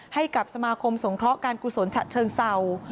ให้กับสมาคมสงเคราะห์การกุศลฉะเชิงเศร้า